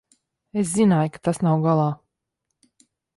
Es zināju, ka tas nav galā.